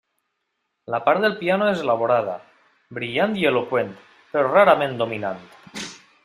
La part del piano és elaborada, brillant i eloqüent, però rarament dominant.